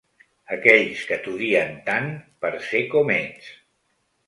Aquells que t’odien tant per ser com ets.